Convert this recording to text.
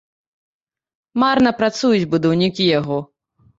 Марна працуюць будаўнікі яго.